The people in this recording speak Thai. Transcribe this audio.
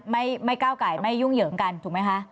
ไม่ไม่ก้าวไก่ไม่ยุ่งเหยิงกันถูกไหมคะ